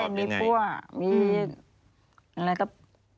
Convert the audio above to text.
มีอะไรกับ